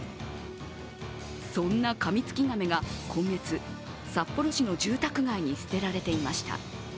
そんなカミツキガメが今月、札幌市の住宅街に捨てられていました。